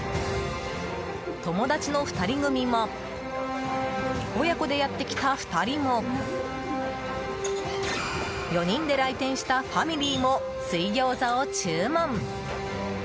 友だちの２人組も親子でやってきた２人も４人で来店したファミリーも水餃子を注文。